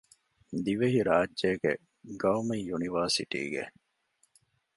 ދިވެހިރާއްޖޭގެ ޤައުމީ ޔުނިވަރސިޓީގެ